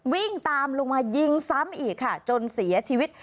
วิ่งตามลงมายิงซ้ำอีกค่ะจนเสียชีวิต